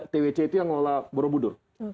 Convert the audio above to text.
twc itu yang ngelola borobudur